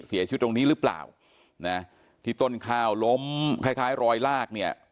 เสียชีวิตตรงนี้หรือเปล่านะที่ต้นข้าวล้มคล้ายคล้ายรอยลากเนี่ย